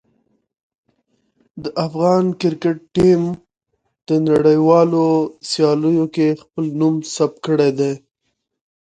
د افغان کرکټ ټیم د نړیوالو سیالیو کې خپل نوم ثبت کړی دی.